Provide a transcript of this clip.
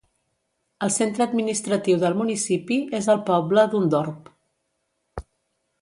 El centre administratiu del municipi és el poble d'Hundorp.